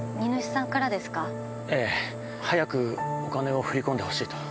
早くお金を振り込んでほしいと。